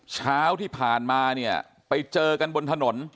เช้าที่ผ่านมาเนี่ยไปเจอกันบนถนน